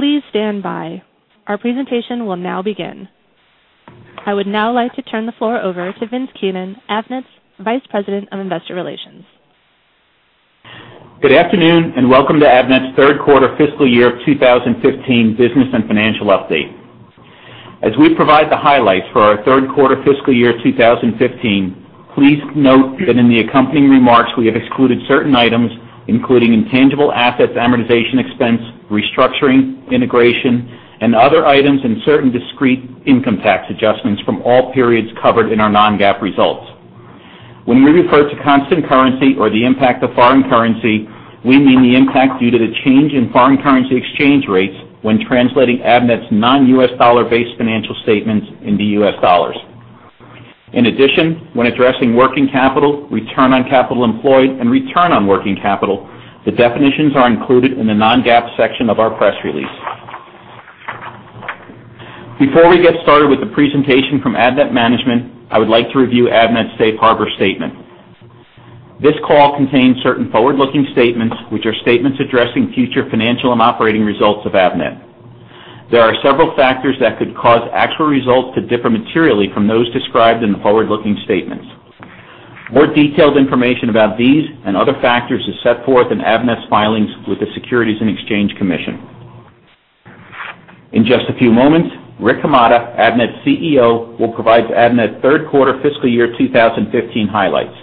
Please stand by. Our presentation will now begin. I would now like to turn the floor over to Vincent Keenan, Avnet's Vice President of Investor Relations. Good afternoon and welcome to Avnet's Third Quarter Fiscal Year 2015 Business and Financial Update. As we provide the highlights for our Third Quarter Fiscal Year 2015, please note that in the accompanying remarks we have excluded certain items including intangible assets amortization expense, restructuring, integration, and other items and certain discrete income tax adjustments from all periods covered in our non-GAAP results. When we refer to constant currency or the impact of foreign currency, we mean the impact due to the change in foreign currency exchange rates when translating Avnet's non-U.S. dollar-based financial statements into U.S. dollars. In addition, when addressing working capital, return on capital employed, and return on working capital, the definitions are included in the non-GAAP section of our press release. Before we get started with the presentation from Avnet Management, I would like to review Avnet's Safe Harbor Statement. This call contains certain forward-looking statements, which are statements addressing future financial and operating results of Avnet. There are several factors that could cause actual results to differ materially from those described in the forward-looking statements. More detailed information about these and other factors is set forth in Avnet's filings with the U.S. Securities and Exchange Commission. In just a few moments, Rick Hamada, Avnet's CEO, will provide Avnet's Third Quarter Fiscal Year 2015 highlights.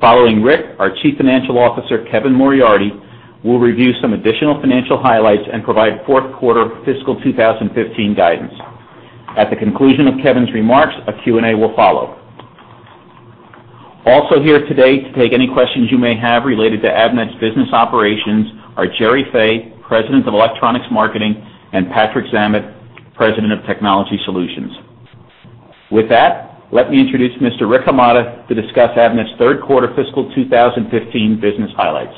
Following Rick, our Chief Financial Officer, Kevin Moriarty, will review some additional financial highlights and provide Fourth Quarter Fiscal 2015 guidance. At the conclusion of Kevin's remarks, a Q&A will follow. Also here today to take any questions you may have related to Avnet's business operations are Gerry Fay, President of Electronics Marketing, and Patrick Zammit, President of Technology Solutions. With that, let me introduce Mr. Rick Hamada to discuss Avnet's Third Quarter Fiscal 2015 business highlights.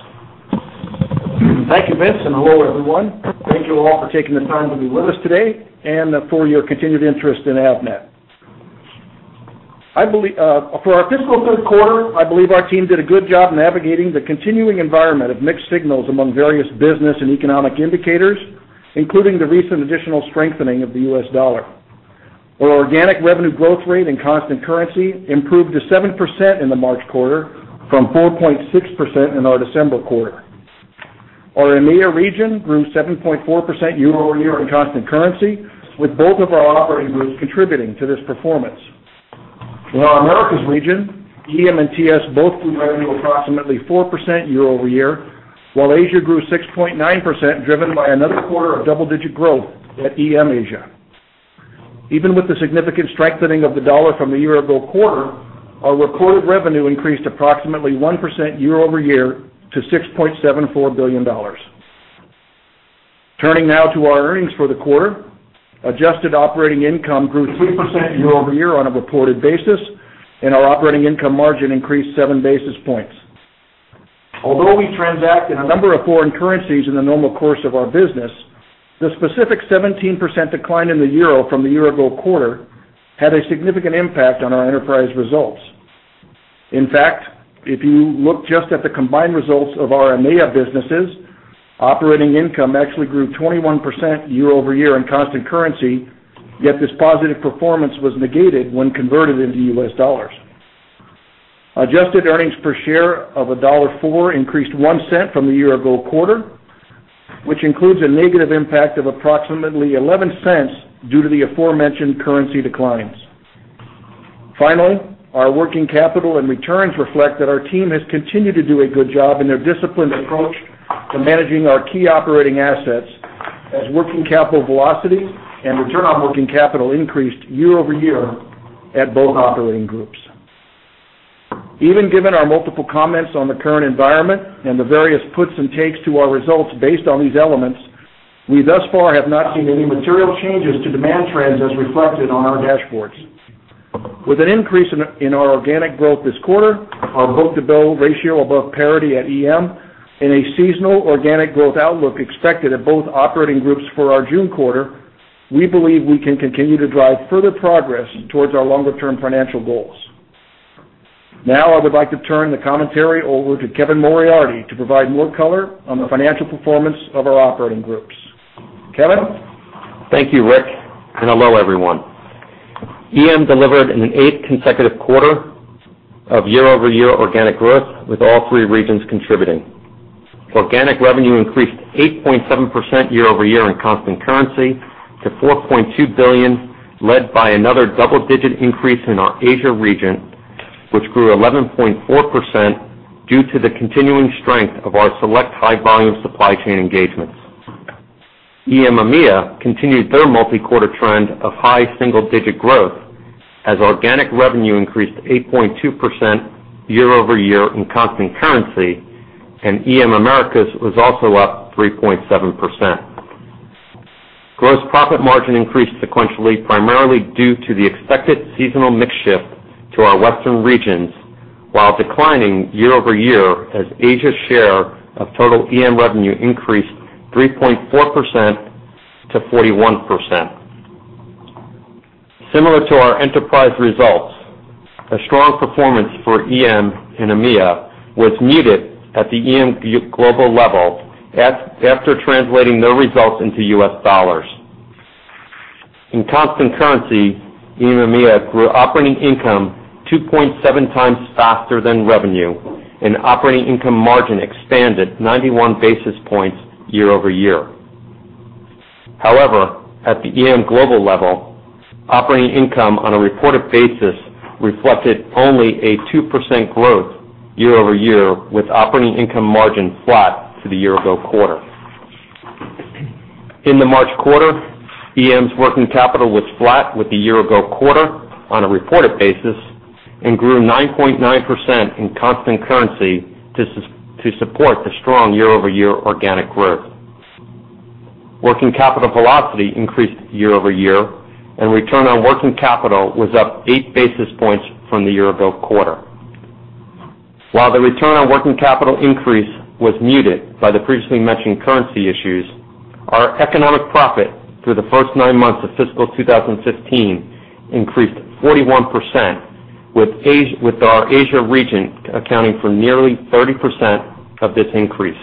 Thank you, Vince and hello everyone. Thank you all for taking the time to be with us today and for your continued interest in Avnet. For our fiscal third quarter, I believe our team did a good job navigating the continuing environment of mixed signals among various business and economic indicators, including the recent additional strengthening of the U.S. dollar. Our organic revenue growth rate in constant currency improved to 7% in the March quarter from 4.6% in our December quarter. Our EMEA region grew 7.4% year-over-year in constant currency, with both of our operating groups contributing to this performance. In our Americas region, EM and TS both grew revenue approximately 4% year-over-year, while Asia grew 6.9%, driven by another quarter of double-digit growth at EM Asia. Even with the significant strengthening of the dollar from the year-ago quarter, our reported revenue increased approximately 1% year-over-year to $6.74 billion. Turning now to our earnings for the quarter, adjusted operating income grew 3% year-over-year on a reported basis, and our operating income margin increased 7 basis points. Although we transact in a number of foreign currencies in the normal course of our business, the specific 17% decline in the EUR from the year-ago quarter had a significant impact on our enterprise results. In fact, if you look just at the combined results of our EMEA businesses, operating income actually grew 21% year-over-year in constant currency, yet this positive performance was negated when converted into U.S. dollars. Adjusted earnings per share of $1.04 increased $0.01 from the year-ago quarter, which includes a negative impact of approximately $0.11 due to the aforementioned currency declines. Finally, our working capital and returns reflect that our team has continued to do a good job in their disciplined approach to managing our key operating assets, as working capital velocity and return on working capital increased year-over-year at both operating groups. Even given our multiple comments on the current environment and the various puts and takes to our results based on these elements, we thus far have not seen any material changes to demand trends as reflected on our dashboards. With an increase in our organic growth this quarter, our book-to-bill ratio above parity at EM, and a seasonal organic growth outlook expected at both operating groups for our June quarter, we believe we can continue to drive further progress towards our longer-term financial goals. Now I would like to turn the commentary over to Kevin Moriarty to provide more color on the financial performance of our operating groups. Kevin. Thank you, Rick, and hello everyone. EM delivered an eighth consecutive quarter of year-over-year organic growth, with all three regions contributing. Organic revenue increased 8.7% year-over-year in constant currency to $4.2 billion, led by another double-digit increase in our Asia region, which grew 11.4% due to the continuing strength of our select high-volume supply chain engagements. EM EMEA continued their multi-quarter trend of high single-digit growth, as organic revenue increased 8.2% year-over-year in constant currency, and EM Americas was also up 3.7%. Gross profit margin increased sequentially, primarily due to the expected seasonal mix shift to our Western regions, while declining year-over-year as Asia's share of total EM revenue increased 3.4% to 41%. Similar to our enterprise results, a strong performance for EM and EMEA was muted at the EM global level after translating their results into U.S. dollars. In constant currency, EM EMEA grew operating income 2.7 times faster than revenue, and operating income margin expanded 91 basis points year-over-year. However, at the EM global level, operating income on a reported basis reflected only a 2% growth year-over-year, with operating income margin flat to the year-ago quarter. In the March quarter, EM's working capital was flat with the year-ago quarter on a reported basis and grew 9.9% in constant currency to support the strong year-over-year organic growth. Working capital velocity increased year-over-year, and return on working capital was up 8 basis points from the year-ago quarter. While the return on working capital increase was muted by the previously mentioned currency issues, our economic profit for the first nine months of fiscal 2015 increased 41%, with our Asia region accounting for nearly 30% of this increase.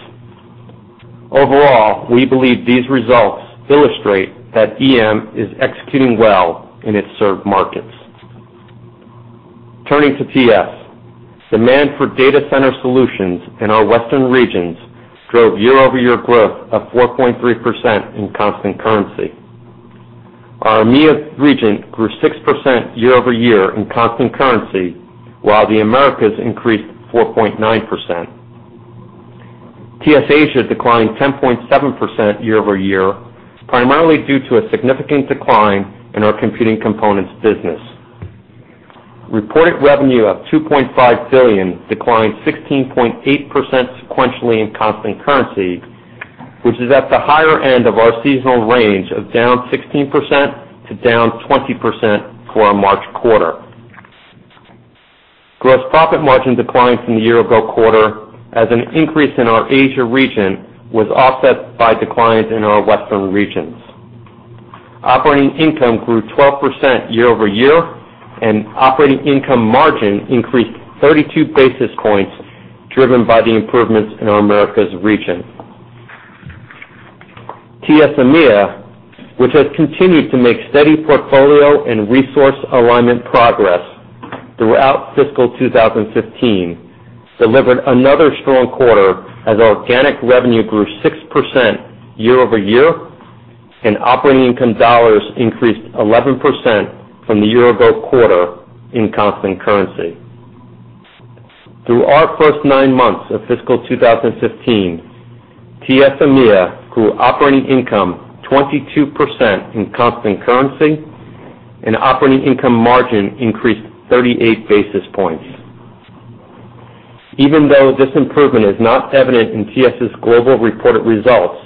Overall, we believe these results illustrate that EM is executing well in its served markets. Turning to TS, demand for data center solutions in our Western regions drove year-over-year growth of 4.3% in constant currency. Our EMEA region grew 6% year-over-year in constant currency, while the Americas increased 4.9%. TS Asia declined 10.7% year-over-year, primarily due to a significant decline in our computing components business. Reported revenue of $2.5 billion declined 16.8% sequentially in constant currency, which is at the higher end of our seasonal range of down 16%-20% for our March quarter. Gross profit margin declined from the year-ago quarter, as an increase in our Asia region was offset by declines in our Western regions. Operating income grew 12% year-over-year, and operating income margin increased 32 basis points, driven by the improvements in our Americas region. TS EMEA, which has continued to make steady portfolio and resource alignment progress throughout fiscal 2015, delivered another strong quarter as organic revenue grew 6% year-over-year, and operating income dollars increased 11% from the year-ago quarter in constant currency. Through our first nine months of fiscal 2015, TS EMEA grew operating income 22% in constant currency, and operating income margin increased 38 basis points. Even though this improvement is not evident in TS's global reported results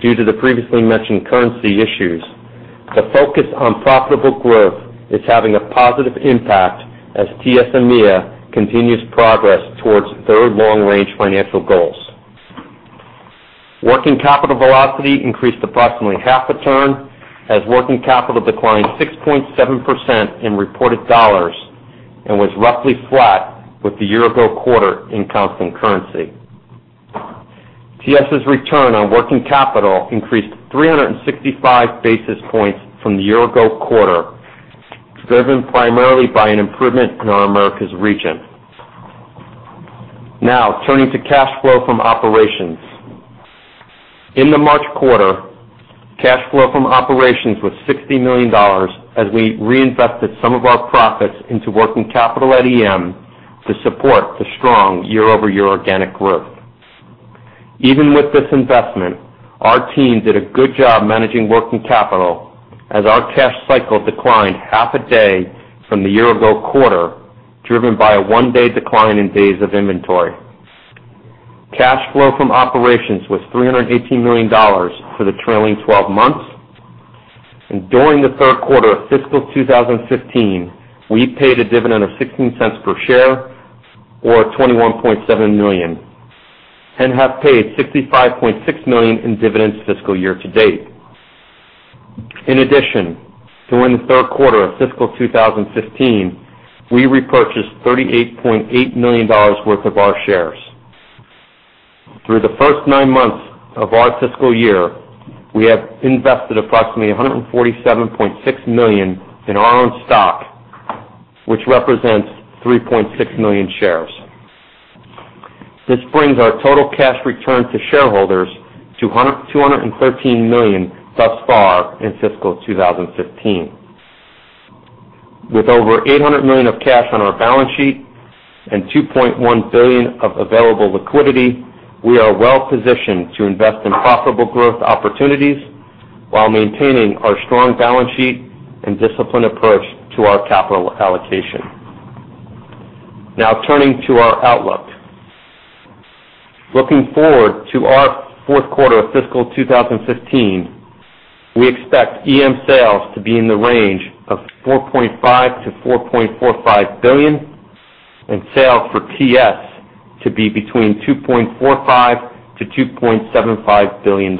due to the previously mentioned currency issues, the focus on profitable growth is having a positive impact as TS EMEA continues progress towards their long-range financial goals. Working capital velocity increased approximately half a turn, as working capital declined 6.7% in reported dollars and was roughly flat with the year-ago quarter in constant currency. TS's return on working capital increased 365 basis points from the year-ago quarter, driven primarily by an improvement in our Americas region. Now, turning to cash flow from operations. In the March quarter, cash flow from operations was $60 million as we reinvested some of our profits into working capital at EM to support the strong year-over-year organic growth. Even with this investment, our team did a good job managing working capital as our cash cycle declined half a day from the year-ago quarter, driven by a one-day decline in days of inventory. Cash flow from operations was $318 million for the trailing 12 months, and during the third quarter of fiscal 2015, we paid a dividend of $0.16 per share, or $21.7 million, and have paid $65.6 million in dividends fiscal year to date. In addition, during the third quarter of fiscal 2015, we repurchased $38.8 million worth of our shares. Through the first nine months of our fiscal year, we have invested approximately $147.6 million in our own stock, which represents 3.6 million shares. This brings our total cash return to shareholders to $213 million thus far in fiscal 2015. With over $800 million of cash on our balance sheet and $2.1 billion of available liquidity, we are well-positioned to invest in profitable growth opportunities while maintaining our strong balance sheet and disciplined approach to our capital allocation. Now, turning to our outlook. Looking forward to our fourth quarter of fiscal 2015, we expect EM sales to be in the range of $4.5-$4.45 billion and sales for TS to be between $2.45-$2.75 billion.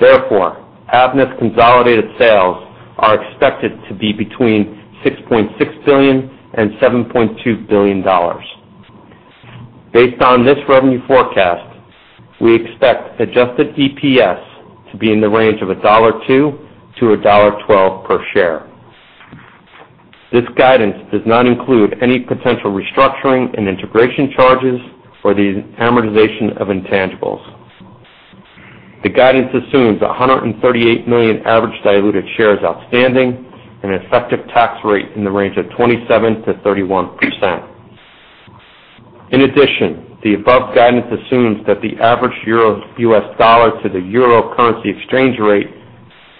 Therefore, Avnet's consolidated sales are expected to be between $6.6 billion and $7.2 billion. Based on this revenue forecast, we expect adjusted EPS to be in the range of $1.02-$1.12 per share. This guidance does not include any potential restructuring and integration charges or the amortization of intangibles. The guidance assumes 138 million average diluted shares outstanding and an effective tax rate in the range of 27%-31%. In addition, the above guidance assumes that the average U.S. dollar to the EUR currency exchange rate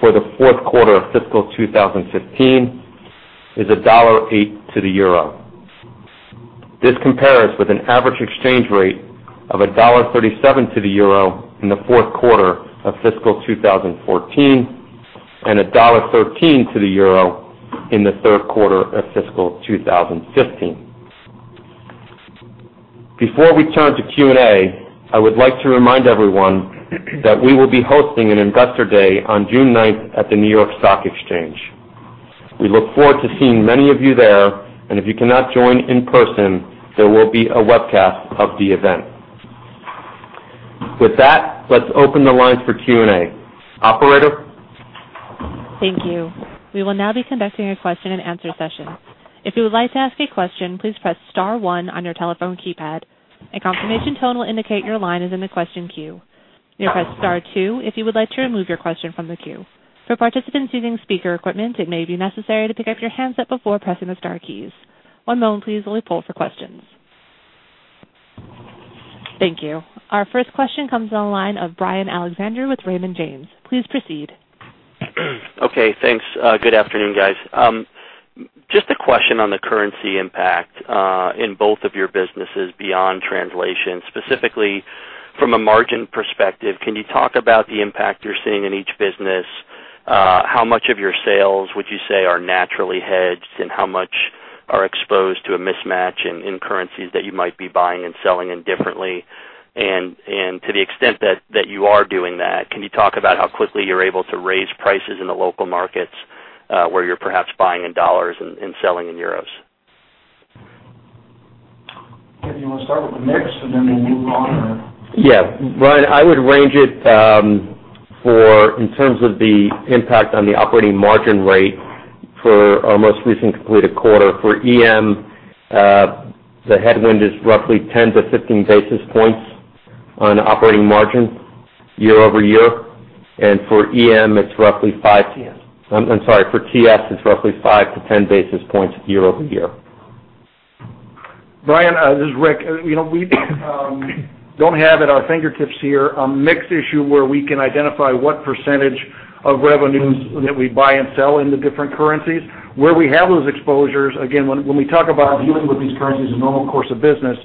for the fourth quarter of fiscal 2015 is $1.08 to the EUR. This compares with an average exchange rate of $1.37 to the EUR in the fourth quarter of fiscal 2014 and $1.13 to the EUR in the third quarter of fiscal 2015. Before we turn to Q&A, I would like to remind everyone that we will be hosting an Investor Day on June 9th at the New York Stock Exchange. We look forward to seeing many of you there, and if you cannot join in person, there will be a webcast of the event. With that, let's open the lines for Q&A. Operator. Thank you. We will now be conducting a question-and-answer session. If you would like to ask a question, please press Star one on your telephone keypad. A confirmation tone will indicate your line is in the question queue. You can press Star two if you would like to remove your question from the queue. For participants using speaker equipment, it may be necessary to pick up your headset before pressing the Star keys. One moment, please, while we pull for questions. Thank you. Our first question comes on the line of Brian Alexander with Raymond James. Please proceed. Okay, thanks. Good afternoon, guys. Just a question on the currency impact in both of your businesses beyond translation. Specifically, from a margin perspective, can you talk about the impact you're seeing in each business? How much of your sales would you say are naturally hedged, and how much are exposed to a mismatch in currencies that you might be buying and selling in differently? And to the extent that you are doing that, can you talk about how quickly you're able to raise prices in the local markets where you're perhaps buying in dollars and selling in euros? Kevin, you want to start with the next, and then we'll move on or? Yeah. Brian, I would range it in terms of the impact on the operating margin rate for our most recent completed quarter. For EM, the headwind is roughly 10-15 basis points on operating margin year-over-year. And for EM, it's roughly 5, I'm sorry, for TS, it's roughly 5-10 basis points year-over-year. Brian, this is Rick. We don't have it at our fingertips here, a mixed issue where we can identify what percentage of revenues that we buy and sell in the different currencies. Where we have those exposures, again, when we talk about dealing with these currencies in normal course of business,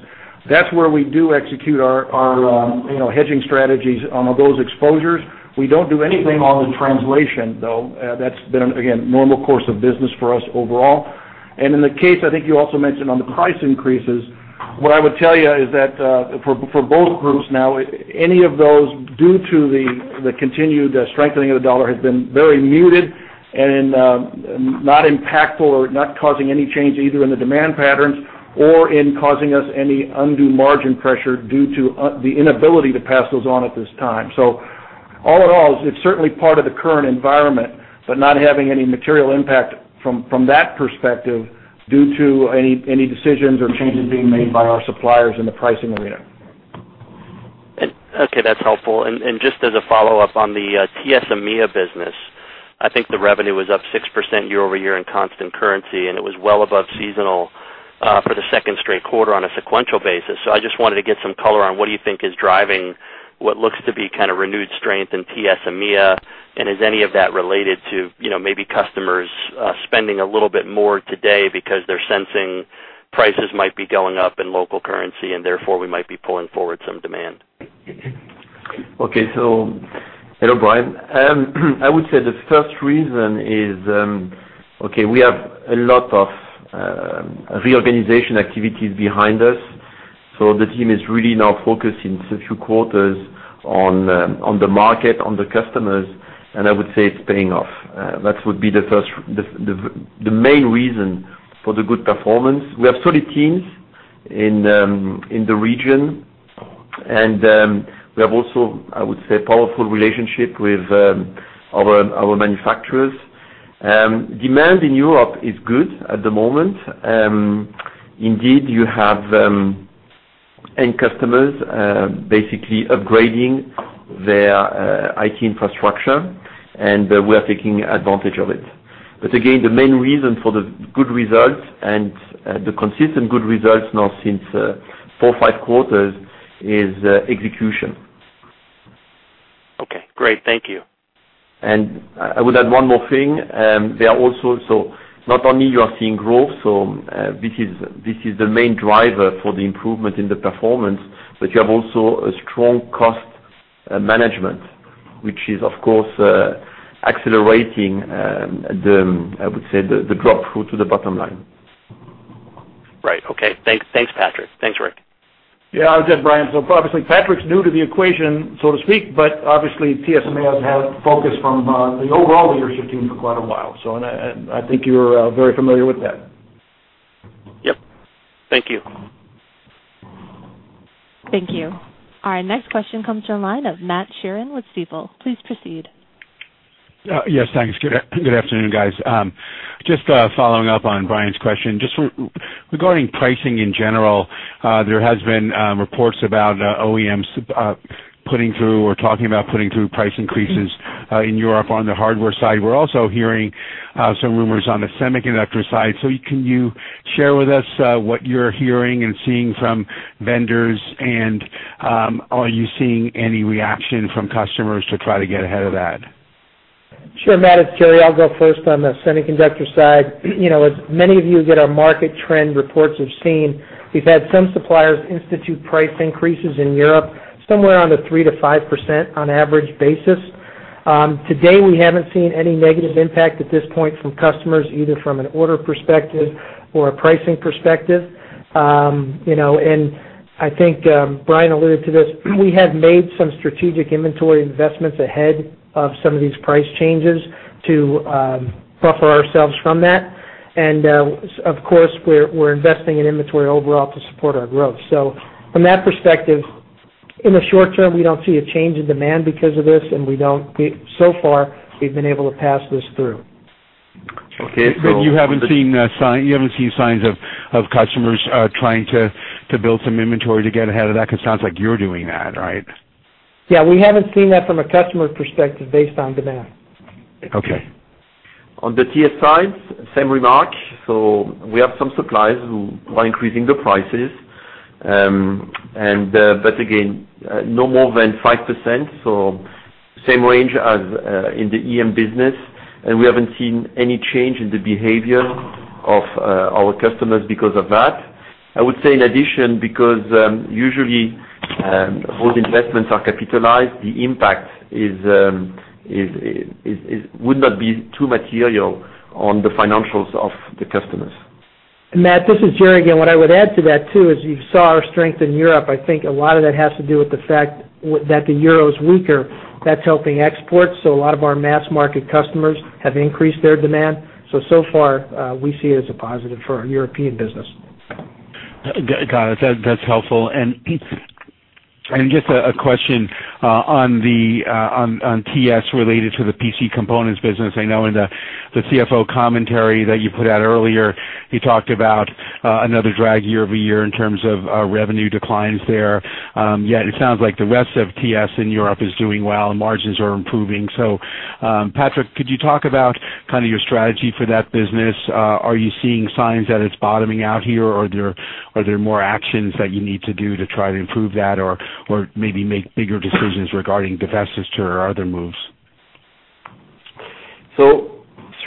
that's where we do execute our hedging strategies on those exposures. We don't do anything on the translation, though. That's been, again, normal course of business for us overall. In the case, I think you also mentioned on the price increases, what I would tell you is that for both groups now, any of those, due to the continued strengthening of the dollar, has been very muted and not impactful or not causing any change either in the demand patterns or in causing us any undue margin pressure due to the inability to pass those on at this time. So all in all, it's certainly part of the current environment, but not having any material impact from that perspective due to any decisions or changes being made by our suppliers in the pricing arena. Okay, that's helpful. And just as a follow-up on the TS EMEA business, I think the revenue was up 6% year-over-year in constant currency, and it was well above seasonal for the second straight quarter on a sequential basis. So I just wanted to get some color on what do you think is driving what looks to be kind of renewed strength in TS EMEA, and is any of that related to maybe customers spending a little bit more today because they're sensing prices might be going up in local currency, and therefore we might be pulling forward some demand? Okay, so hello, Brian. I would say the first reason is, okay, we have a lot of reorganization activities behind us. So the team is really now focusing in a few quarters on the market, on the customers, and I would say it's paying off. That would be the main reason for the good performance. We have solid teams in the region, and we have also, I would say, a powerful relationship with our manufacturers. Demand in Europe is good at the moment. Indeed, you have end customers basically upgrading their IT infrastructure, and we are taking advantage of it. But again, the main reason for the good results and the consistent good results now since four, five quarters is execution. Okay, great. Thank you. I would add one more thing. They are also, so not only are you seeing growth, so this is the main driver for the improvement in the performance, but you have also a strong cost management, which is, of course, accelerating the, I would say, the drop through to the bottom line. Right. Okay. Thanks, Patrick. Thanks, Rick. Yeah, I would say, Brian, so obviously, Patrick's new to the equation, so to speak, but obviously, TS EMEA has had focus from the overall leadership team for quite a while. So I think you're very familiar with that. Yep. Thank you. Thank you. Our next question comes to the line of Matt Sheerin with Stifel. Please proceed. Yes, thanks. Good afternoon, guys. Just following up on Brian's question, just regarding pricing in general, there have been reports about OEMs putting through or talking about putting through price increases in Europe on the hardware side. We're also hearing some rumors on the semiconductor side. So can you share with us what you're hearing and seeing from vendors, and are you seeing any reaction from customers to try to get ahead of that? Sure, Matt, it's Gerry. I'll go first on the semiconductor side. As many of you get our market trend reports have seen, we've had some suppliers institute price increases in Europe somewhere on the 3%-5% on average basis. Today, we haven't seen any negative impact at this point from customers, either from an order perspective or a pricing perspective. And I think Brian alluded to this, we have made some strategic inventory investments ahead of some of these price changes to buffer ourselves from that. And of course, we're investing in inventory overall to support our growth. So from that perspective, in the short term, we don't see a change in demand because of this, and so far, we've been able to pass this through. Okay. So you haven't seen signs of customers trying to build some inventory to get ahead of that because it sounds like you're doing that, right? Yeah, we haven't seen that from a customer perspective based on demand. On the TS side, same remark. So we have some suppliers who are increasing the prices, but again, no more than 5%, so same range as in the EM business. We haven't seen any change in the behavior of our customers because of that. I would say, in addition, because usually those investments are capitalized, the impact would not be too material on the financials of the customers. Matt, this is Gerry again. What I would add to that too is you saw our strength in Europe. I think a lot of that has to do with the fact that the EUR is weaker. That's helping exports. So a lot of our mass market customers have increased their demand. So so far, we see it as a positive for our European business. Got it. That's helpful. And just a question on TS related to the PC components business. I know in the CFO commentary that you put out earlier, you talked about another drag year-over-year in terms of revenue declines there. Yet it sounds like the rest of TS in Europe is doing well and margins are improving. So Patrick, could you talk about kind of your strategy for that business? Are you seeing signs that it's bottoming out here, or are there more actions that you need to do to try to improve that or maybe make bigger decisions regarding divestiture or other moves?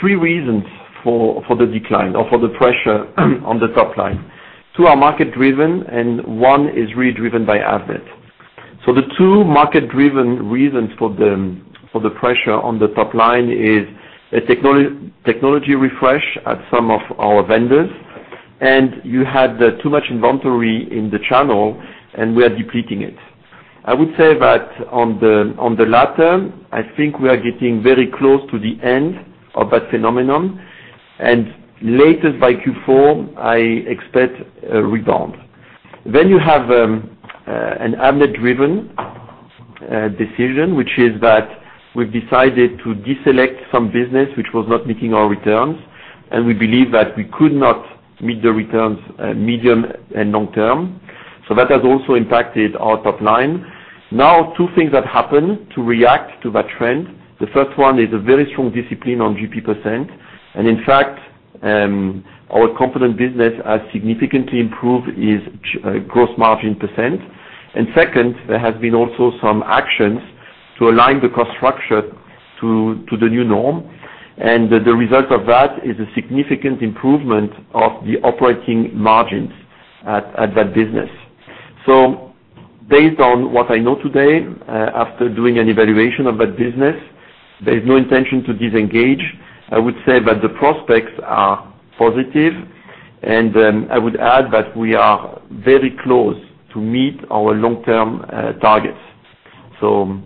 Three reasons for the decline or for the pressure on the top line. Two are market-driven, and one is really driven by Avnet. The two market-driven reasons for the pressure on the top line is a technology refresh at some of our vendors, and you had too much inventory in the channel, and we are depleting it. I would say that on the latter, I think we are getting very close to the end of that phenomenon. Latest by Q4, I expect a rebound. You have an Avnet-driven decision, which is that we've decided to deselect some business which was not meeting our returns, and we believe that we could not meet the returns medium and long term. That has also impacted our top line. Now, two things have happened to react to that trend. The first one is a very strong discipline on GP percent. And in fact, our component business has significantly improved its gross margin percent. And second, there has been also some actions to align the cost structure to the new norm. And the result of that is a significant improvement of the operating margins at that business. So based on what I know today, after doing an evaluation of that business, there's no intention to disengage. I would say that the prospects are positive. And I would add that we are very close to meet our long-term targets. So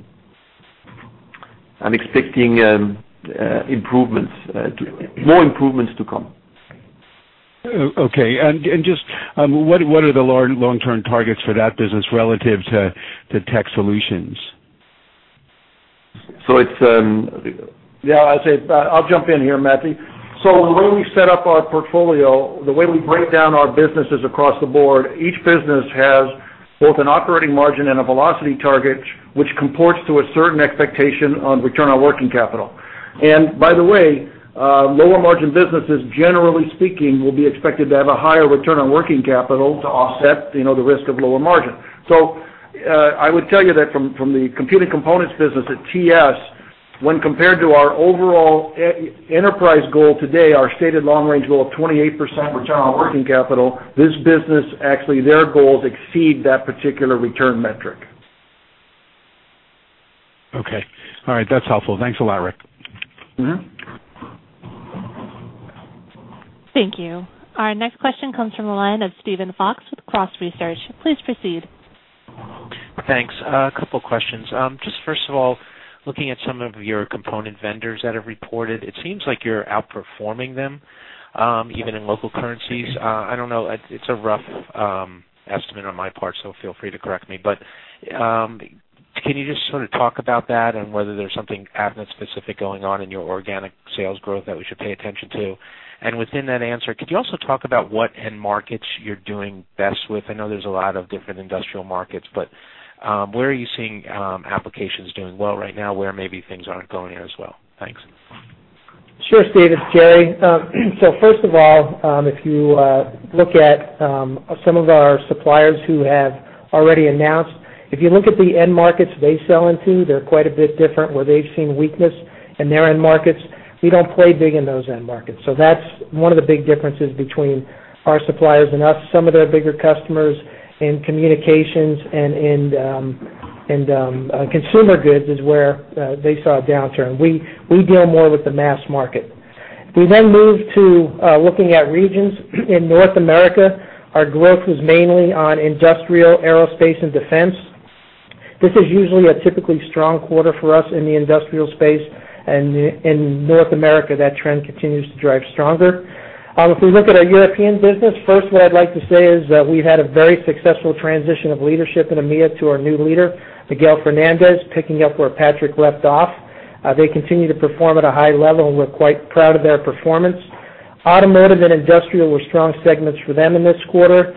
I'm expecting more improvements to come. Okay. And just what are the long-term targets for that business relative to Tech Solutions? So it's... I'll say I'll jump in here, Matthew. So the way we set up our portfolio, the way we break down our businesses across the board, each business has both an operating margin and a velocity target, which comports to a certain expectation on return on working capital. And by the way, lower margin businesses, generally speaking, will be expected to have a higher return on working capital to offset the risk of lower margin. So I would tell you that from the computing components business at TS, when compared to our overall enterprise goal today, our stated long-range goal of 28% return on working capital, this business, actually, their goals exceed that particular return metric. Okay. All right. That's helpful. Thanks a lot, Rick. Thank you. Our next question comes from the line of Steven Fox with Cross Research. Please proceed. Thanks. A couple of questions. Just first of all, looking at some of your component vendors that have reported, it seems like you're outperforming them even in local currencies. I don't know. It's a rough estimate on my part, so feel free to correct me. But can you just sort of talk about that and whether there's something Avnet-specific going on in your organic sales growth that we should pay attention to? And within that answer, could you also talk about what end markets you're doing best with? I know there's a lot of different industrial markets, but where are you seeing applications doing well right now where maybe things aren't going as well? Thanks. Sure, Steven. Gerry, so first of all, if you look at some of our suppliers who have already announced, if you look at the end markets they sell into, they're quite a bit different where they've seen weakness in their end markets. We don't play big in those end markets. So that's one of the big differences between our suppliers and us. Some of their bigger customers in communications and in consumer goods is where they saw a downturn. We deal more with the mass market. We then move to looking at regions. In North America, our growth was mainly on industrial, aerospace, and defense. This is usually a typically strong quarter for us in the industrial space. And in North America, that trend continues to drive stronger. If we look at our European business, first, what I'd like to say is we've had a very successful transition of leadership in EMEA to our new leader, Miguel Fernandez, picking up where Patrick left off. They continue to perform at a high level. We're quite proud of their performance. Automotive and industrial were strong segments for them in this quarter.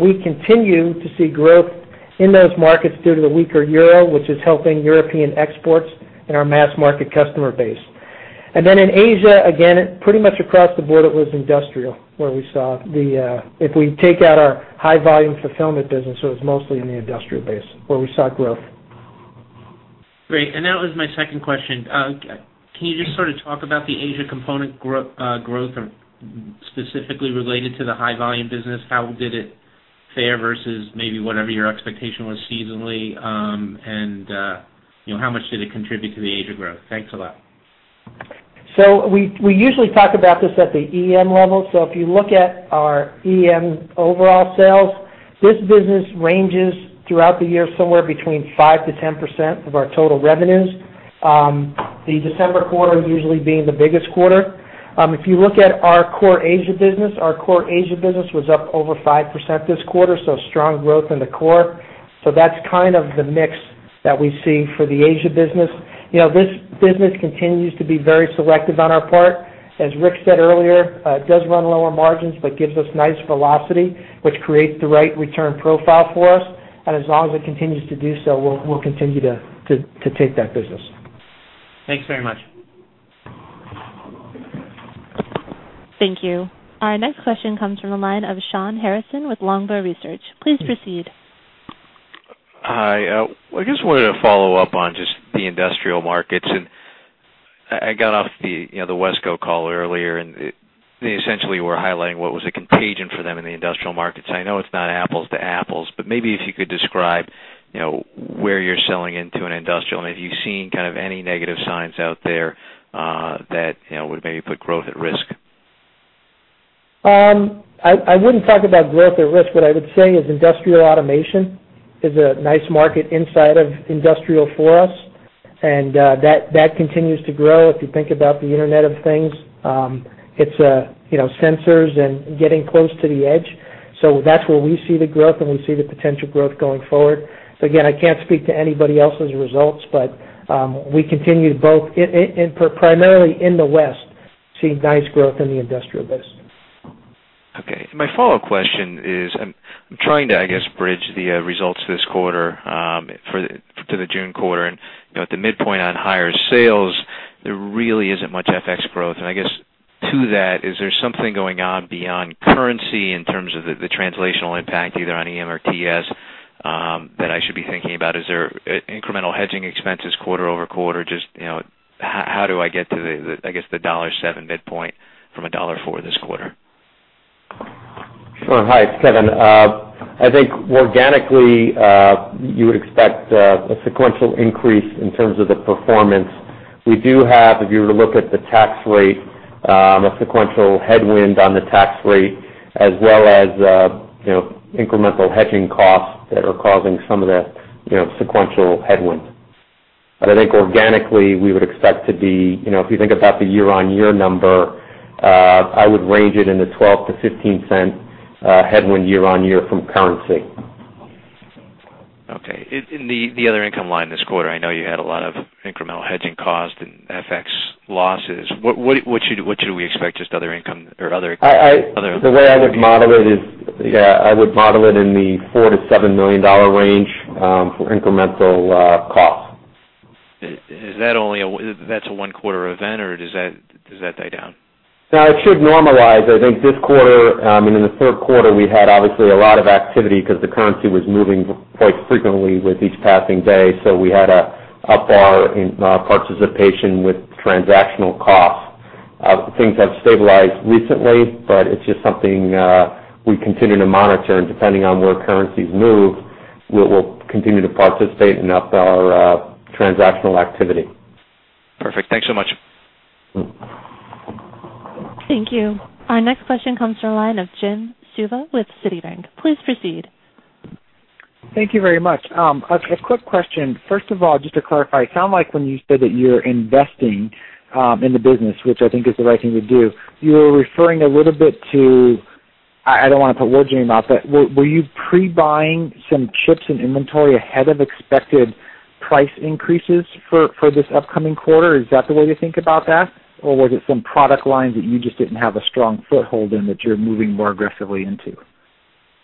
We continue to see growth in those markets due to the weaker EUR, which is helping European exports and our mass market customer base. And then in Asia, again, pretty much across the board, it was industrial where we saw—if we take out our high-volume fulfillment business, it was mostly in the industrial base where we saw growth. Great. And that was my second question. Can you just sort of talk about the Asia component growth specifically related to the high-volume business? How did it fare versus maybe whatever your expectation was seasonally, and how much did it contribute to the Asia growth? Thanks a lot. So we usually talk about this at the EM level. So if you look at our EM overall sales, this business ranges throughout the year somewhere between 5%-10% of our total revenues, the December quarter usually being the biggest quarter. If you look at our core Asia business, our core Asia business was up over 5% this quarter, so strong growth in the core. So that's kind of the mix that we see for the Asia business. This business continues to be very selective on our part. As Rick said earlier, it does run lower margins but gives us nice velocity, which creates the right return profile for us. And as long as it continues to do so, we'll continue to take that business. Thanks very much. Thank you. Our next question comes from the line of Shawn Harrison with Longbow Research. Please proceed. Hi. I just wanted to follow up on just the industrial markets. And I got off the WESCO call earlier, and they essentially were highlighting what was a contagion for them in the industrial markets. I know it's not apples to apples, but maybe if you could describe where you're selling into an industrial and if you've seen kind of any negative signs out there that would maybe put growth at risk. I wouldn't talk about growth at risk, but I would say industrial automation is a nice market inside of industrial for us. And that continues to grow. If you think about the Internet of Things, it's sensors and getting close to the edge. So that's where we see the growth, and we see the potential growth going forward. So again, I can't speak to anybody else's results, but we continue to both, primarily in the West, see nice growth in the industrial business. Okay. My follow-up question is, I'm trying to, I guess, bridge the results this quarter to the June quarter. And at the midpoint on higher sales, there really isn't much FX growth. And I guess to that, is there something going on beyond currency in terms of the translational impact either on EM or TS that I should be thinking about? Is there incremental hedging expenses quarter-over-quarter? Just how do I get to, I guess, the $7 midpoint from a $4 this quarter? Sure. Hi, it's Kevin. I think organically you would expect a sequential increase in terms of the performance. We do have, if you were to look at the tax rate, a sequential headwind on the tax rate as well as incremental hedging costs that are causing some of the sequential headwind. But I think organically we would expect to be, if you think about the year-on-year number, I would range it in the $0.12-$0.15 headwind year-on-year from currency. Okay. In the other income line this quarter, I know you had a lot of incremental hedging costs and FX losses. What should we expect just other income or other? The way I would model it is, yeah, I would model it in the $4 million-$7 million range for incremental costs. Is that only—that's a one-quarter event, or does that die down? Now, it should normalize. I think this quarter, I mean, in the third quarter, we had obviously a lot of activity because the currency was moving quite frequently with each passing day. So we had a higher participation with transactional costs. Things have stabilized recently, but it's just something we continue to monitor. And depending on where currencies move, we'll continue to participate in our transactional activity. Perfect. Thanks so much. Thank you. Our next question comes from the line of Jim Suva with Citibank. Please proceed. Thank you very much. A quick question. First of all, just to clarify, it sounds like when you said that you're investing in the business, which I think is the right thing to do, you were referring a little bit to, I don't want to put words in your mouth, but were you pre-buying some chips and inventory ahead of expected price increases for this upcoming quarter? Is that the way to think about that? Or was it some product lines that you just didn't have a strong foothold in that you're moving more aggressively into?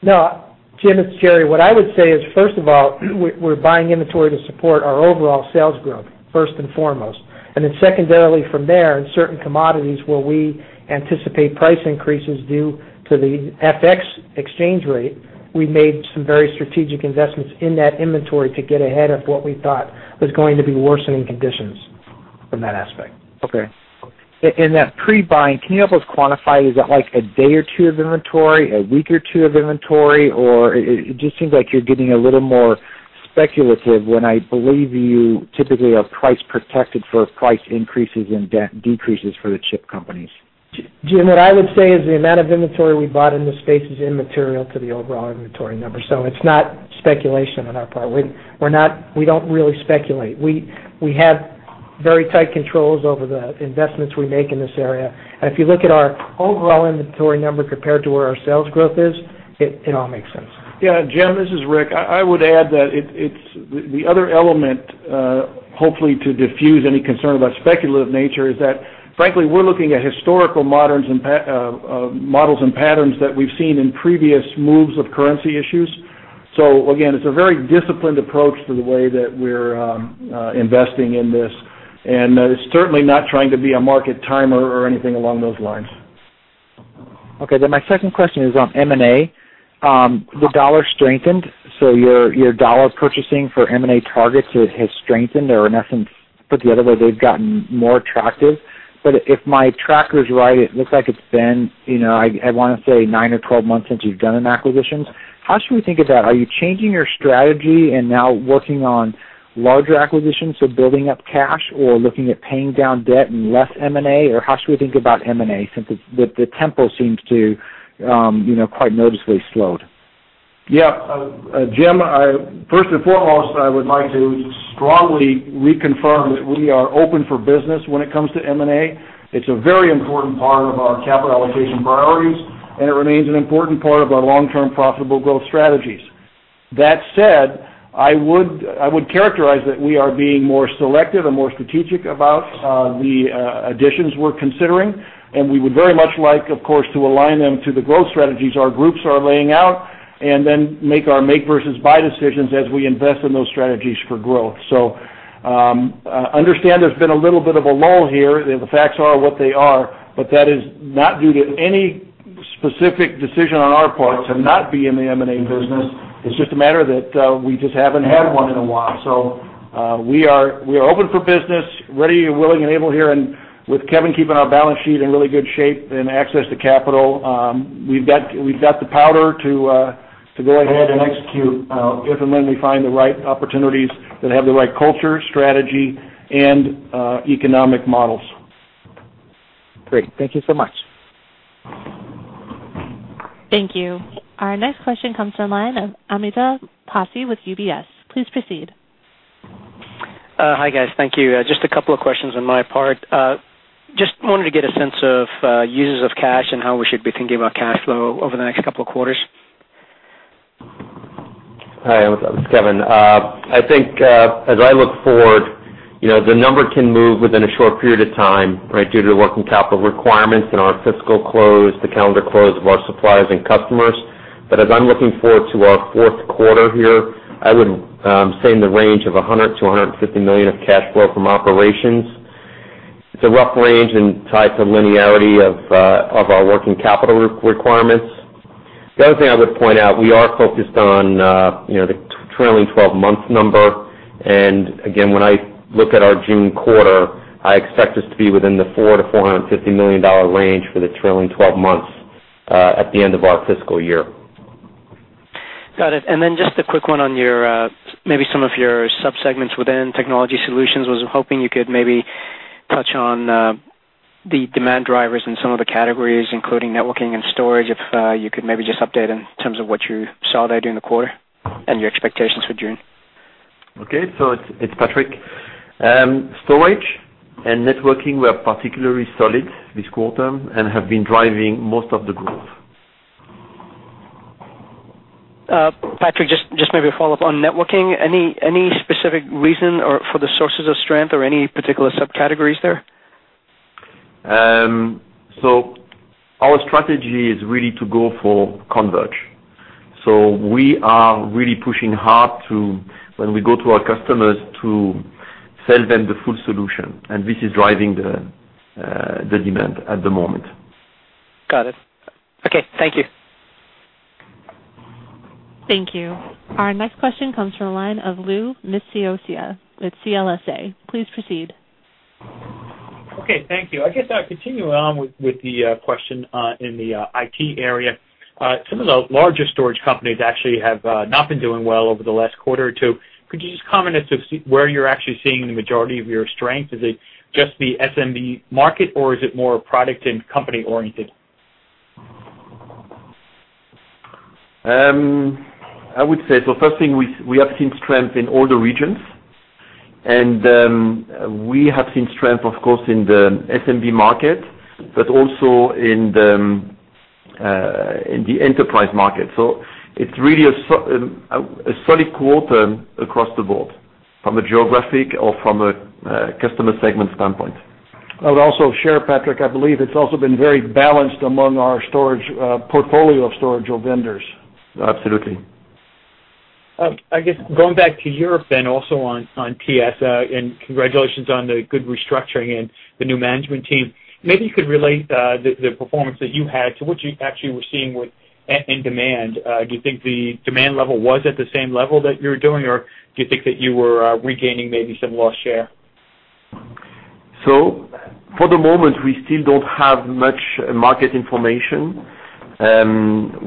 No. Jim, it's Gerry. What I would say is, first of all, we're buying inventory to support our overall sales growth first and foremost. And then secondarily from there, in certain commodities where we anticipate price increases due to the FX exchange rate, we made some very strategic investments in that inventory to get ahead of what we thought was going to be worsening conditions from that aspect. In that pre-buying, can you help us quantify? Is that like a day or two of inventory, a week or two of inventory, or it just seems like you're getting a little more speculative when I believe you typically are price protected for price increases and decreases for the chip companies? Jim, what I would say is the amount of inventory we bought in this space is immaterial to the overall inventory number. So it's not speculation on our part. We don't really speculate. We have very tight controls over the investments we make in this area. If you look at our overall inventory number compared to where our sales growth is, it all makes sense. Yeah. Jim, this is Rick. I would add that the other element, hopefully to diffuse any concern about speculative nature, is that frankly, we're looking at historical models and patterns that we've seen in previous moves of currency issues. So again, it's a very disciplined approach to the way that we're investing in this. And it's certainly not trying to be a market timer or anything along those lines. Okay. Then my second question is on M&A. The dollar strengthened. So your dollar purchasing for M&A targets has strengthened or, in essence, put the other way, they've gotten more attractive. But if my tracker is right, it looks like it's been, I want to say, nine or 12 months since you've done an acquisition. How should we think of that? Are you changing your strategy and now working on larger acquisitions, so building up cash or looking at paying down debt and less M&A? Or how should we think about M&A since the tempo seems to quite noticeably slowed? Yeah. Jim, first and foremost, I would like to strongly reconfirm that we are open for business when it comes to M&A. It's a very important part of our capital allocation priorities, and it remains an important part of our long-term profitable growth strategies. That said, I would characterize that we are being more selective and more strategic about the additions we're considering. And we would very much like, of course, to align them to the growth strategies our groups are laying out and then make our make-versus-buy decisions as we invest in those strategies for growth. So understand there's been a little bit of a lull here. The facts are what they are, but that is not due to any specific decision on our part to not be in the M&A business. It's just a matter that we just haven't had one in a while. We are open for business, ready and willing and able here. With Kevin keeping our balance sheet in really good shape and access to capital, we've got the powder to go ahead and execute if and when we find the right opportunities that have the right culture, strategy, and economic models. Great. Thank you so much. Thank you. Our next question comes from the line of Amitabh Passi with UBS. Please proceed. Hi guys. Thank you. Just a couple of questions on my part. Just wanted to get a sense of uses of cash and how we should be thinking about cash flow over the next couple of quarters. Hi. I'm Kevin. I think as I look forward, the number can move within a short period of time due to the working capital requirements and our fiscal close, the calendar close of our suppliers and customers. But as I'm looking forward to our fourth quarter here, I would say in the range of $100 million-$150 million of cash flow from operations. It's a rough range and tied to linearity of our working capital requirements. The other thing I would point out, we are focused on the trailing 12-month number. And again, when I look at our June quarter, I expect us to be within the $400 million-$450 million range for the trailing 12 months at the end of our fiscal year. Got it. And then just a quick one on maybe some of your subsegments within technology solutions. I was hoping you could maybe touch on the demand drivers in some of the categories, including networking and storage, if you could maybe just update in terms of what you saw there during the quarter and your expectations for June. Okay. It's Patrick. Storage and networking were particularly solid this quarter and have been driving most of the growth. Patrick, just maybe a follow-up on networking. Any specific reason for the sources of strength or any particular subcategories there? Our strategy is really to go for convergence. We are really pushing hard when we go to our customers to sell them the full solution. This is driving the demand at the moment. Got it. Okay. Thank you. Thank you. Our next question comes from the line of Louis Miscioscia with CLSA. Please proceed. Okay. Thank you. I guess I'll continue on with the question in the IT area. Some of the largest storage companies actually have not been doing well over the last quarter or two. Could you just comment as to where you're actually seeing the majority of your strength? Is it just the SMB market, or is it more product and company-oriented? I would say the first thing, we have seen strength in all the regions. We have seen strength, of course, in the SMB market, but also in the enterprise market. It's really a solid quarter across the board from a geographic or from a customer segment standpoint. I would also share, Patrick, I believe it's also been very balanced among our portfolio of storage vendors. Absolutely. I guess going back to Europe and also on TS, and congratulations on the good restructuring and the new management team. Maybe you could relate the performance that you had to what you actually were seeing in demand. Do you think the demand level was at the same level that you're doing, or do you think that you were regaining maybe some lost share? For the moment, we still don't have much market information.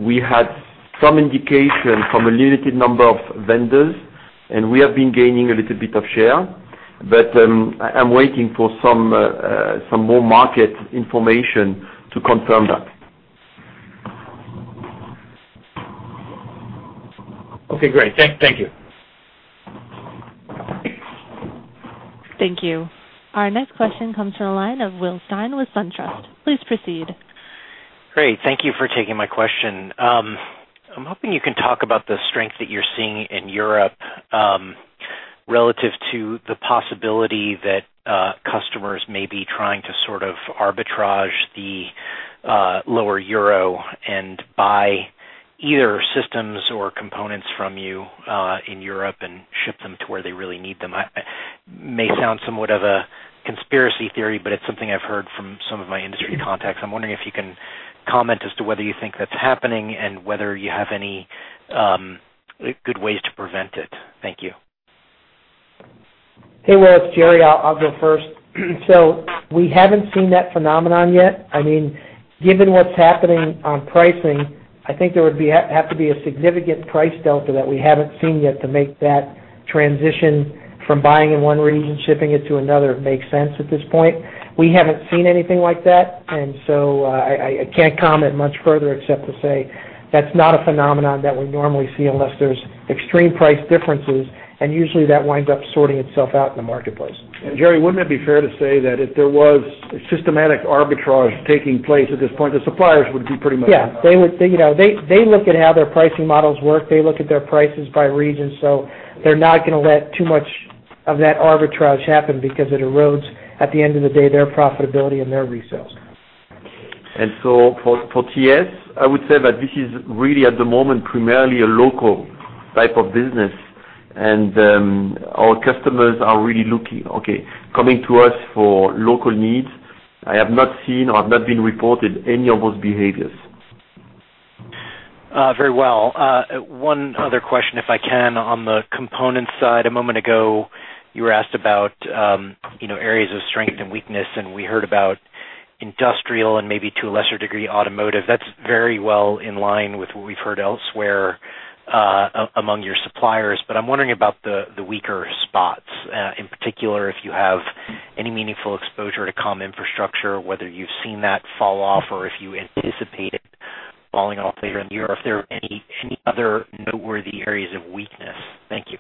We had some indication from a limited number of vendors, and we have been gaining a little bit of share. I'm waiting for some more market information to confirm that. Okay. Great. Thank you. Thank you. Our next question comes from the line of Will Stein with SunTrust. Please proceed. Great. Thank you for taking my question. I'm hoping you can talk about the strength that you're seeing in Europe relative to the possibility that customers may be trying to sort of arbitrage the lower EUR and buy either systems or components from you in Europe and ship them to where they really need them. It may sound somewhat of a conspiracy theory, but it's something I've heard from some of my industry contacts. I'm wondering if you can comment as to whether you think that's happening and whether you have any good ways to prevent it. Thank you. Hey, Will, it's Gerry. I'll go first. So we haven't seen that phenomenon yet. I mean, given what's happening on pricing, I think there would have to be a significant price delta that we haven't seen yet to make that transition from buying in one region, shipping it to another make sense at this point. We haven't seen anything like that. And so I can't comment much further except to say that's not a phenomenon that we normally see unless there's extreme price differences. And usually that winds up sorting itself out in the marketplace. Gerry, wouldn't it be fair to say that if there was a systematic arbitrage taking place at this point, the suppliers would be pretty much out? Yeah. They look at how their pricing models work. They look at their prices by region. So they're not going to let too much of that arbitrage happen because it erodes at the end of the day their profitability and their resales. And so for TS, I would say that this is really at the moment primarily a local type of business. And our customers are really looking, okay, coming to us for local needs. I have not seen or have not been reported any of those behaviors. Very well. One other question, if I can. On the component side, a moment ago, you were asked about areas of strength and weakness. And we heard about industrial and maybe to a lesser degree automotive. That's very well in line with what we've heard elsewhere among your suppliers. But I'm wondering about the weaker spots, in particular if you have any meaningful exposure to comms infrastructure, whether you've seen that fall off or if you anticipate it falling off later in the year, if there are any other noteworthy areas of weakness. Thank you.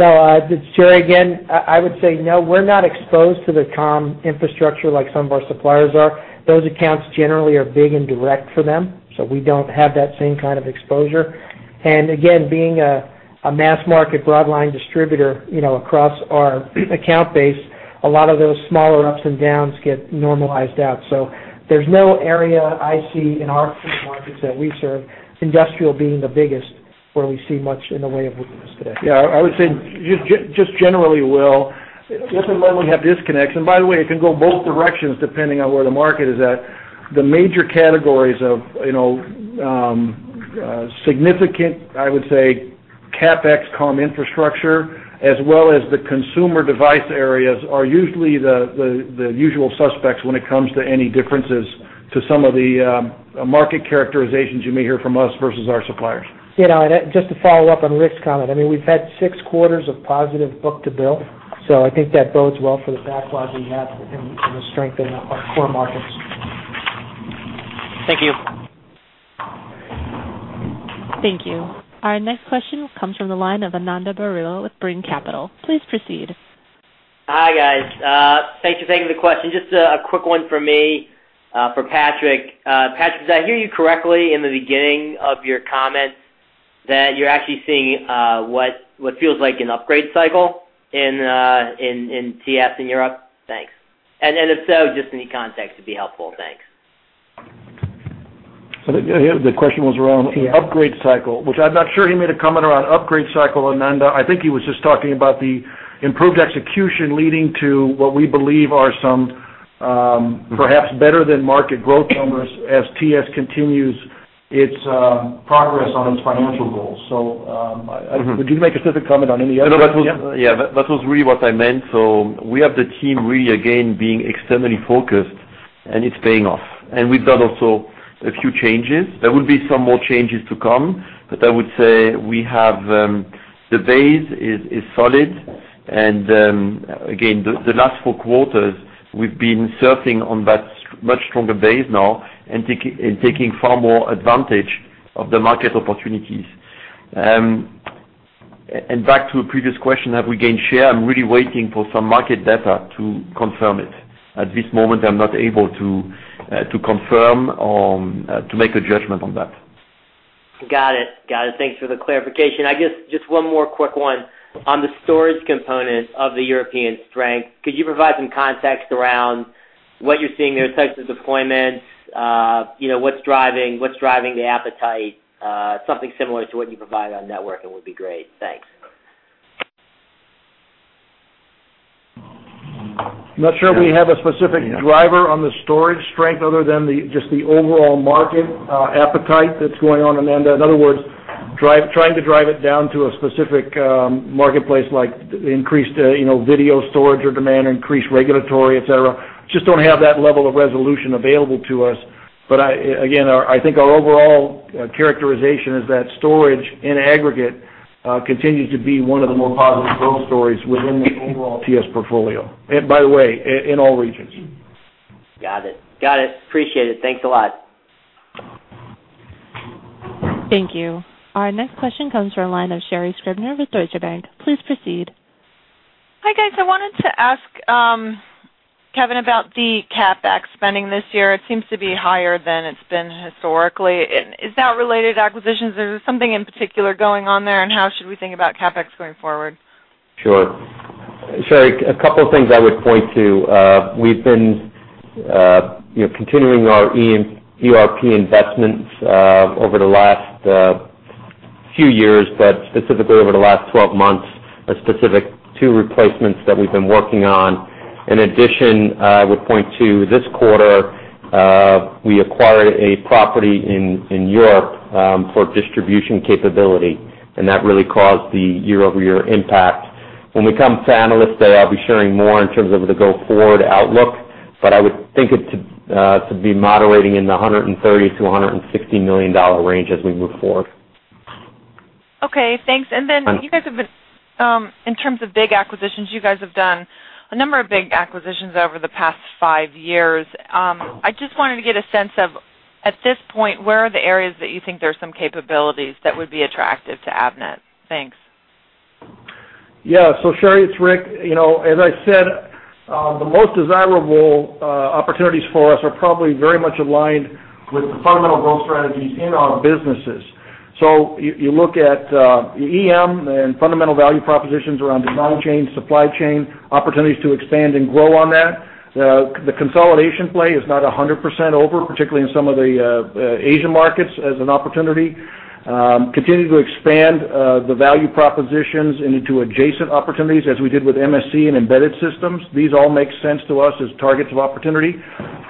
So it's Gerry again. I would say no, we're not exposed to the comms infrastructure like some of our suppliers are. Those accounts generally are big and direct for them. So we don't have that same kind of exposure. And again, being a mass market broadline distributor across our account base, a lot of those smaller ups and downs get normalized out. So there's no area I see in our markets that we serve, industrial being the biggest where we see much in the way of weakness today. Yeah. I would say just generally, Will, if and when we have disconnects, and by the way, it can go both directions depending on where the market is at, the major categories of significant, I would say, CapEx comms infrastructure as well as the consumer device areas are usually the usual suspects when it comes to any differences to some of the market characterizations you may hear from us versus our suppliers. Just to follow up on Rick's comment, I mean, we've had six quarters of positive book-to-bill. So I think that bodes well for the backlog we have and the strength in our core markets. Thank you. Thank you. Our next question comes from the line of Ananda Baruah with Brean Capital. Please proceed. Hi guys. Thanks for taking the question. Just a quick one for me, for Patrick. Patrick, did I hear you correctly in the beginning of your comments that you're actually seeing what feels like an upgrade cycle in TS in Europe? Thanks. If so, just in the context would be helpful. Thanks. The question was around an upgrade cycle, which I'm not sure he made a comment around upgrade cycle, Ananda. I think he was just talking about the improved execution leading to what we believe are some perhaps better than market growth numbers as TS continues its progress on its financial goals. So would you make a specific comment on any other? Yeah. That was really what I meant. So we have the team really, again, being externally focused, and it's paying off. And we've done also a few changes. There will be some more changes to come. But I would say we have the base is solid. And again, the last four quarters, we've been surfing on that much stronger base now and taking far more advantage of the market opportunities. And back to a previous question, have we gained share? I'm really waiting for some market data to confirm it. At this moment, I'm not able to confirm or to make a judgment on that. Got it. Got it. Thanks for the clarification. I guess just one more quick one on the storage component of the European strength. Could you provide some context around what you're seeing? There's types of deployments. What's driving the appetite? Something similar to what you provide on networking would be great. Thanks. I'm not sure we have a specific driver on the storage strength other than just the overall market appetite that's going on, Ananda. In other words, trying to drive it down to a specific marketplace like increased video storage or demand, increased regulatory, etc. Just don't have that level of resolution available to us. But again, I think our overall characterization is that storage in aggregate continues to be one of the more positive growth stories within the overall TS portfolio. And by the way, in all regions. Got it. Got it. Appreciate it. Thanks a lot. Thank you. Our next question comes from the line of Sherri Scribner with Deutsche Bank. Please proceed. Hi guys. I wanted to ask Kevin about the CapEx spending this year. It seems to be higher than it's been historically. Is that related to acquisitions? Is there something in particular going on there? And how should we think about CapEx going forward? Sure. So a couple of things I would point to. We've been continuing our ERP investments over the last few years, but specifically over the last 12 months, a specific two replacements that we've been working on. In addition, I would point to this quarter. We acquired a property in Europe for distribution capability. And that really caused the year-over-year impact. When we come to analyst day, I'll be sharing more in terms of the go-forward outlook. But I would think it to be moderating in the $130 million-$160 million range as we move forward. Okay. Thanks. And then you guys have been in terms of big acquisitions, you guys have done a number of big acquisitions over the past five years. I just wanted to get a sense of, at this point, where are the areas that you think there are some capabilities that would be attractive to Avnet? Thanks. Yeah. So Sherri, it's Rick. As I said, the most desirable opportunities for us are probably very much aligned with the fundamental growth strategies in our businesses. So you look at EM and fundamental value propositions around the supply chain opportunities to expand and grow on that. The consolidation play is not 100% over, particularly in some of the Asian markets as an opportunity. Continue to expand the value propositions into adjacent opportunities as we did with MSC and embedded systems. These all make sense to us as targets of opportunity.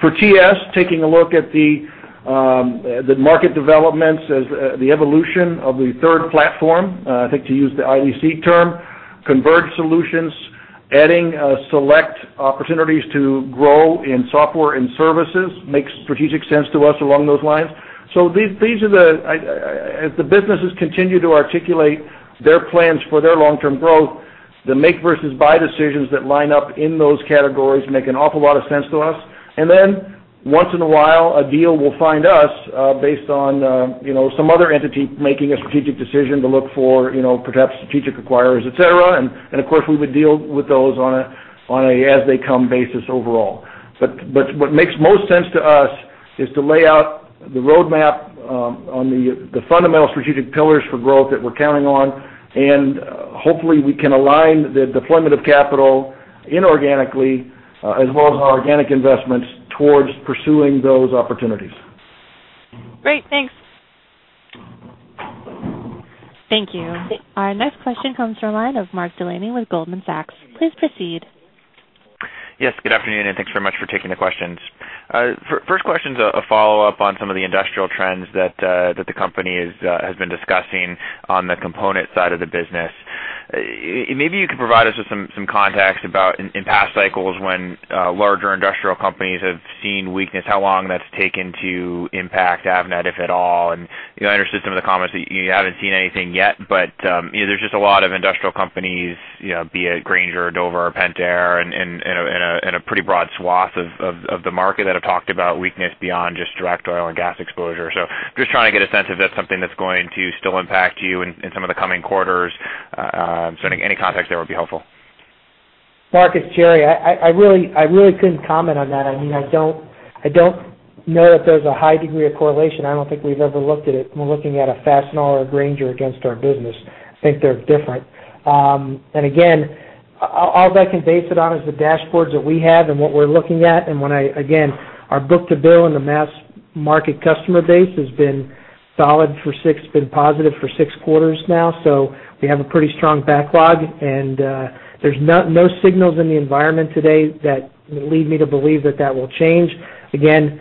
For TS, taking a look at the market developments as the evolution of the 3rd Platform, I think to use the IDC term, converged solutions, adding select opportunities to grow in software and services makes strategic sense to us along those lines. So these are, as the businesses continue to articulate their plans for their long-term growth, the make versus buy decisions that line up in those categories make an awful lot of sense to us. And then once in a while, a deal will find us based on some other entity making a strategic decision to look for perhaps strategic acquirers, etc. And of course, we would deal with those on an as they come basis overall. But what makes most sense to us is to lay out the roadmap on the fundamental strategic pillars for growth that we're counting on. And hopefully, we can align the deployment of capital inorganically as well as our organic investments towards pursuing those opportunities. Great. Thanks. Thank you. Our next question comes from the line of Mark Delaney with Goldman Sachs. Please proceed. Yes. Good afternoon. And thanks very much for taking the questions. First question is a follow-up on some of the industrial trends that the company has been discussing on the component side of the business. Maybe you could provide us with some context about in past cycles when larger industrial companies have seen weakness, how long that's taken to impact Avnet, if at all. And I understood some of the comments that you haven't seen anything yet. But there's just a lot of industrial companies, be it Grainger, Dover, Pentair, in a pretty broad swath of the market that have talked about weakness beyond just direct oil and gas exposure. So just trying to get a sense if that's something that's going to still impact you in some of the coming quarters. So any context there would be helpful. Mark, it's Gerry. I really couldn't comment on that. I mean, I don't know that there's a high degree of correlation. I don't think we've ever looked at it. We're looking at a Fastenal or a Grainger against our business. I think they're different. And again, all I can base it on is the dashboards that we have and what we're looking at. And again, our book-to-bill and the mass market customer base has been solid and positive for six quarters now. So we have a pretty strong backlog. And there's no signals in the environment today that lead me to believe that that will change. Again,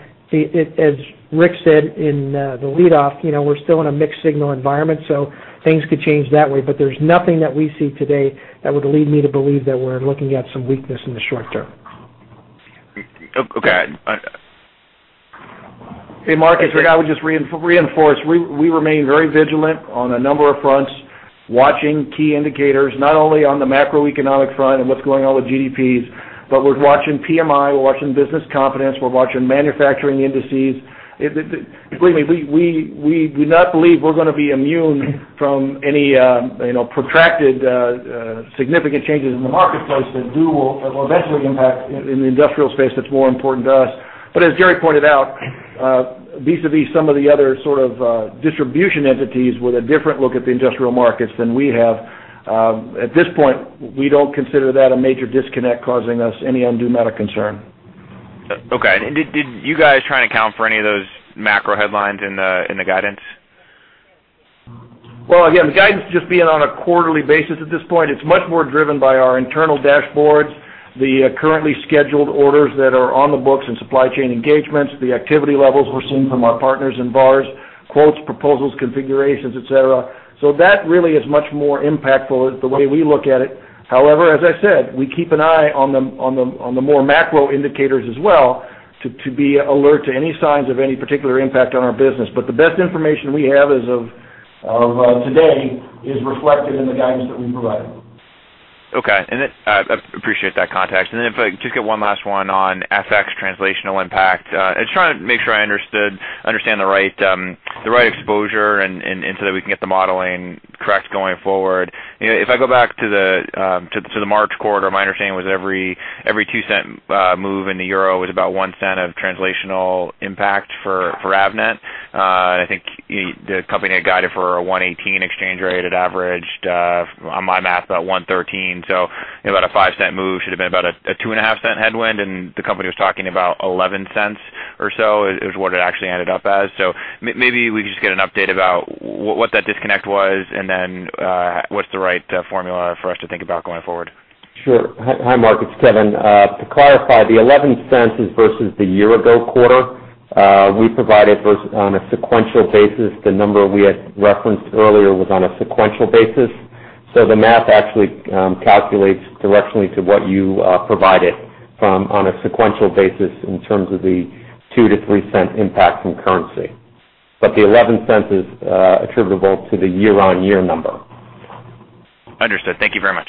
as Rick said in the lead-off, we're still in a mixed-signal environment. So things could change that way. But there's nothing that we see today that would lead me to believe that we're looking at some weakness in the short term. Hey, Mark. I would just reinforce we remain very vigilant on a number of fronts, watching key indicators, not only on the macroeconomic front and what's going on with GDPs, but we're watching PMI, we're watching business confidence, we're watching manufacturing indices. Believe me, we do not believe we're going to be immune from any protracted significant changes in the marketplace that will eventually impact in the industrial space that's more important to us. But as Gerry pointed out, vis-à-vis some of the other sort of distribution entities with a different look at the industrial markets than we have, at this point, we don't consider that a major disconnect causing us any undue amount of concern. Okay. Did you guys try and account for any of those macro headlines in the guidance? Well, again, the guidance just being on a quarterly basis at this point, it's much more driven by our internal dashboards, the currently scheduled orders that are on the books and supply chain engagements, the activity levels we're seeing from our partners in VARs, quotes, proposals, configurations, etc. So that really is much more impactful as the way we look at it. However, as I said, we keep an eye on the more macro indicators as well to be alert to any signs of any particular impact on our business. But the best information we have as of today is reflected in the guidance that we provide. Okay. And I appreciate that context. And then if I just get one last one on FX translational impact. I just want to make sure I understand the right exposure and so that we can get the modeling correct going forward. If I go back to the March quarter, my understanding was every 2-cent move in the EUR was about $0.01 of translational impact for Avnet. I think the company had guided for a 1.18 exchange rate at average. On my math, about 1.13. So about a 5-cent move should have been about a $0.025 headwind. And the company was talking about $0.11 or so is what it actually ended up as. So maybe we could just get an update about what that disconnect was and then what's the right formula for us to think about going forward. Sure. Hi, Mark. It's Kevin. To clarify, the $0.11 is versus the year-ago quarter. We provided on a sequential basis. The number we had referenced earlier was on a sequential basis. So the math actually calculates directionally to what you provided on a sequential basis in terms of the 2- to 3-cent impact in currency. But the $0.11 is attributable to the year-on-year number. Understood. Thank you very much.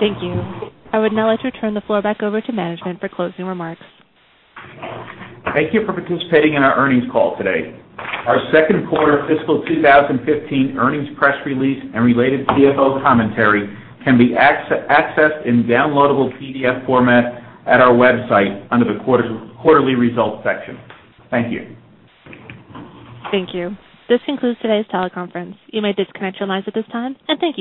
Thank you. I would now like to turn the floor back over to management for closing remarks. Thank you for participating in our earnings call today. Our second quarter fiscal 2015 earnings press release and related CFO commentary can be accessed in downloadable PDF format at our website under the quarterly results section. Thank you. Thank you. This concludes today's teleconference. You may disconnect your lines at this time. Thank you.